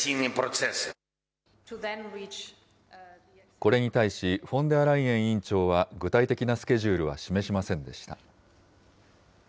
これに対し、フォンデアライエン委員長は具体的なスケジュールは示しませんでした。